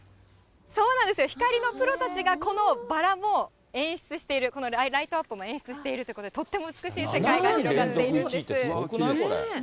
そうなんですよ、光りのプロたちがこのバラも演出している、このライトアップも演出しているということで、とっても美しい世界が広がっているんです。